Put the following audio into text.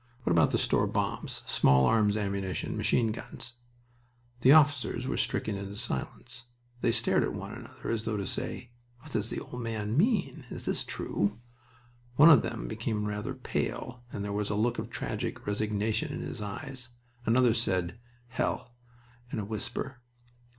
What about the store of bombs, small arms ammunition, machine guns? The officers were stricken into silence. They stared at one another as though to say: "What does the old man mean? Is this true?" One of them became rather pale, and there was a look of tragic resignation in his eyes. Another said, "Hell!" in a whisper.